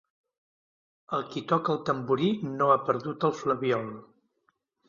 El qui toca el tamborí no ha perdut el flabiol.